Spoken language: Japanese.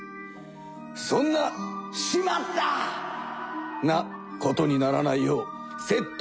そんな「しまった！」なことにならないようせっとく